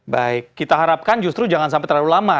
baik kita harapkan justru jangan sampai terlalu lama